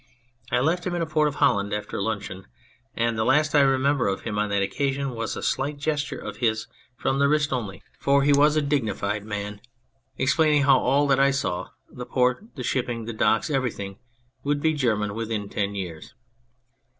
I left him in a port of Holland after luncheon, and the last I remember of him on that occasion was a slight gesture of his from the wrist only (for he was a 67 P 2 On Anything dignified man) explaining how all that I saw, the port, the shipping, the docks, everything, would be German " within ten years."